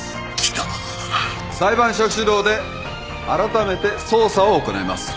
裁判所主導であらためて捜査を行います。